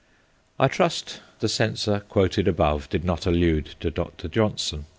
I trust the censor quoted above did not allude to Dr. Johnson.